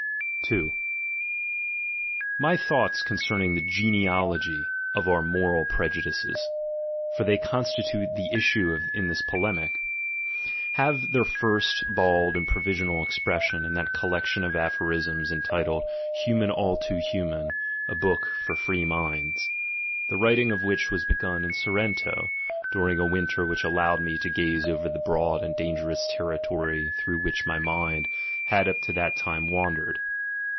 2. My thoughts concerning the genealogy of our moral prejudices — for they constitute the issue in this polemic — have their first, bald, and provisional expression in that collection of aphorisms entitled Human, all too Human. a Book for Free Minds, the writing of which was begur Sorrento, during a winter which allowed me to gaze ovt r the broad and dangerous territory through which my mind had up to that time wandered.